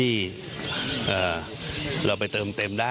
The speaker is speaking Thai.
อีกสักครู่เดี๋ยวจะ